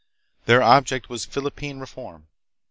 Their object was Philippine reform.